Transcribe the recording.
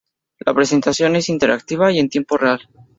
La presentación es interactiva y en tiempo real.